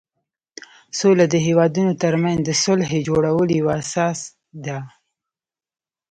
سوله د هېوادونو ترمنځ د صلحې جوړولو یوه اساس ده.